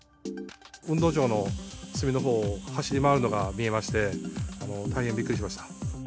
運動場の隅のほうを走り回るのが見えまして、大変びっくりしました。